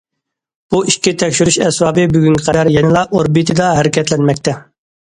بۇ ئىككى تەكشۈرۈش ئەسۋابى بۈگۈنگە قەدەر يەنىلا ئوربىتىدا ھەرىكەتلەنمەكتە.